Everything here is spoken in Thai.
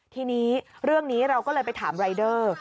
ทีนี้เรื่องนี้เราก็เลยไปถามรายเดอร์